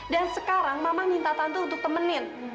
dan sekarang mama minta tante untuk temenin